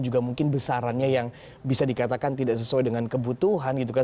juga mungkin besarannya yang bisa dikatakan tidak sesuai dengan kebutuhan gitu kan